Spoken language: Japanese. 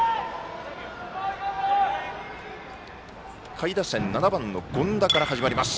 下位打線、７番の権田から始まります。